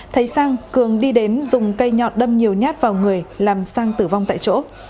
thấy sang cường đi đến dùng cây nhọn đâm nhiều nhát vào người làm sang tử vong tại chỗ